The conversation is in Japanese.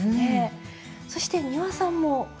そして丹羽さんも。